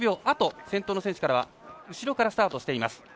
あと先頭の選手からは後ろからスタートしています。